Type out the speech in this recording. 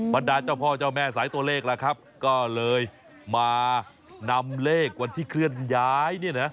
บรรดาเจ้าพ่อเจ้าแม่สายตัวเลขล่ะครับก็เลยมานำเลขวันที่เคลื่อนย้ายเนี่ยนะ